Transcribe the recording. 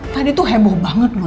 tadi tuh heboh banget loh